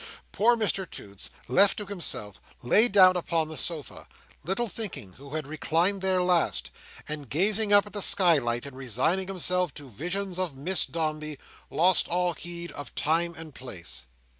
Poor Mr Toots, left to himself, lay down upon the sofa, little thinking who had reclined there last, and, gazing up at the skylight and resigning himself to visions of Miss Dombey, lost all heed of time and place.